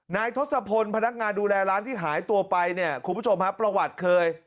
ทศพลพนักงานดูแลร้านที่หายตัวไปเนี่ยคุณผู้ชมฮะประวัติเคย